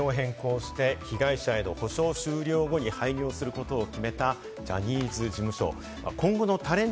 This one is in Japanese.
社名を変更して、被害者への補償終了後に廃業することを決めたジャニーズ事務所。